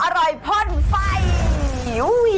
อร่อยพ่นไฟ